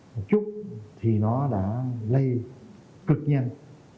một chút thì nó đã lây cực nhanh